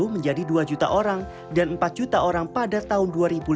menjadi dua juta orang dan empat juta orang pada tahun dua ribu lima belas